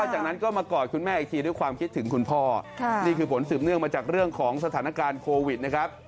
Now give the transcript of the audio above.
จากนั้นก็มากอดคุณแม่อีกทีด้วยความคิดถึงคุณพ่อนี่คือผลสืบเนื่องมาจากเรื่องของสถานการณ์โควิดนะครับ